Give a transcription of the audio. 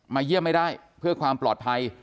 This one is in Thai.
เยี่ยมไม่ได้เพื่อความปลอดภัย